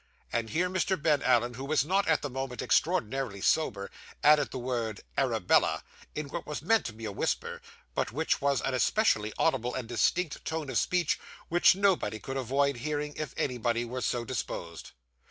And here Mr. Ben Allen, who was not at the moment extraordinarily sober, added the word 'Arabella,' in what was meant to be a whisper, but which was an especially audible and distinct tone of speech which nobody could avoid hearing, if anybody were so disposed.